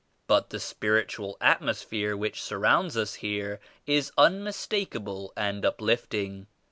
But the spiritual atmosphere which surrounds us here is unmistakable and uplifting.